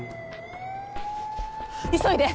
急いで！